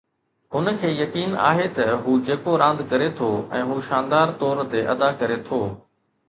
هن کي يقين آهي ته هو جيڪو راند ڪري ٿو ۽ هو شاندار طور تي ادا ڪري ٿو